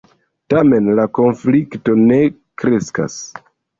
Tamen la konflikto ne kreskas.